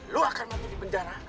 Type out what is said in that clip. lu akan mati di penjara